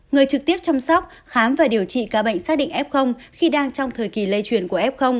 người trực tiếp chăm sóc khám và điều trị ca bệnh xác định f khi đang trong thời kỳ lây truyền của f